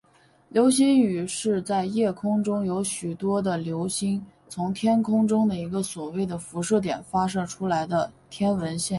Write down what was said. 流星雨是在夜空中有许多的流星从天空中一个所谓的辐射点发射出来的天文现象。